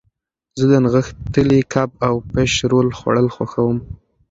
زه د نغښتلي کب او فش رول خوړل خوښوم.